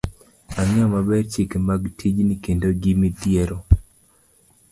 ang'eyo maber chike mag tijni kendo gi midhiero